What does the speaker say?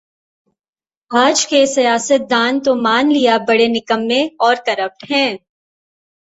آج کے سیاستدان تو مان لیا بڑے نکمّے اورکرپٹ ہیں